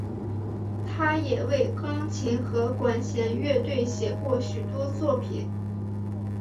他也为钢琴和管弦乐队写过许多作品。